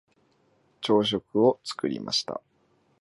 朝食を作りました。